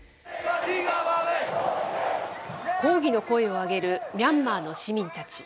抗議の声を上げるミャンマーの市民たち。